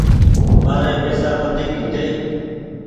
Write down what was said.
مآري پئيسا وڍيڪ هيتي۔